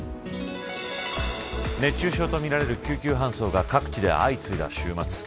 熱中症とみられる救急搬送が各地で相次いだ週末。